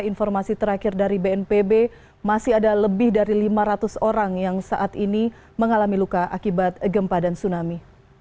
informasi terakhir dari bnpb masih ada lebih dari lima ratus orang yang saat ini mengalami luka akibat gempa dan tsunami